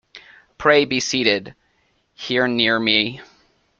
Pray be seated — here near me.